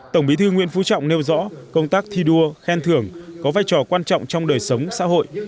tổng bí thư nguyễn phú trọng nêu rõ công tác thi đua khen thưởng có vai trò quan trọng trong đời sống xã hội